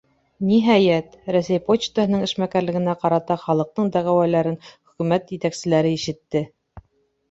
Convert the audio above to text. Ниһайәт, Рәсәй почтаһының эшмәкәрлегенә ҡарата халыҡтың дәғүәләрен Хөкүмәт етәкселәре ишетте!